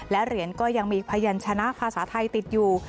และเหรียญก็ยังมีพยันชนะภาษาไทยติดอยู่